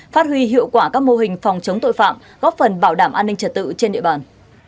phát huy hiệu quả các mô hình phòng chống tội phạm góp phần bảo đảm an ninh trật tự trên địa bàn